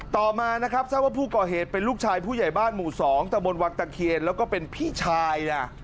ต่อมานะครับทราบว่าผู้ก่อเหตุเป็นลูกชายผู้ใหญ่บ้านหมู่๒ตะบนวังตะเคียนแล้วก็เป็นพี่ชายนะ